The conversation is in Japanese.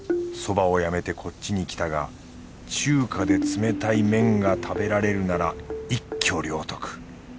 そばをやめてこっちに来たが中華で冷たい麺が食べられるなら一挙両得